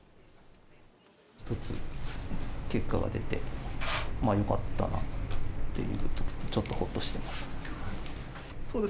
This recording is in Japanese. １つ、結果が出て、よかったなと、ちょっとほっとしてます。